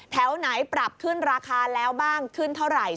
แถวไหนปรับขึ้นราคาแล้วบ้างขึ้นเท่าไหร่